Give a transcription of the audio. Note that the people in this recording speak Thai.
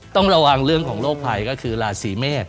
ต้องระวังเรื่องของโรคภัยก็คือราศีเมษ